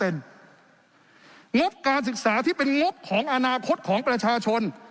งบการศึกษาที่เป็นงบของอนาคตของประชาชน